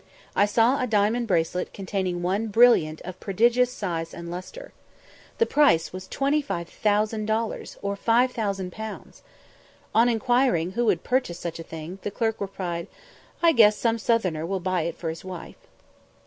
I saw a diamond bracelet containing one brilliant of prodigious size and lustre. The price was 25,000 dollars, or 5000_l._ On inquiring who would purchase such a thing, the clerk replied, "I guess some southerner will buy it for his wife."